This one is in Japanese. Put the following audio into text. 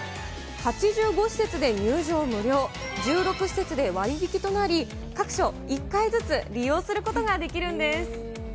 ８５施設で入場無料、１６施設で割引となり、各所１回ずつ利用することができるんです。